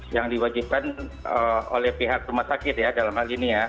yang diwajibkan oleh pihak rumah sakit ya dalam hal ini ya